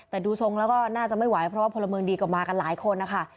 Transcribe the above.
แต่ดูทรงแล้วก็น่าจะไม่ไหวเพราะว่าพลเมืองดีก็มากันหลายคนนะคะ